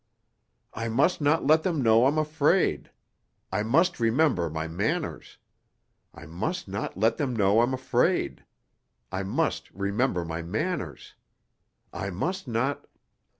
"I must not let them know I'm afraid. I must remember my manners. I must not let them know I'm afraid! I must remember my manners! I must not